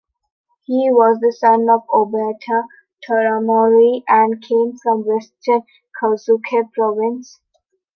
He was the son of Obata Toramori, and came from western Kozuke province.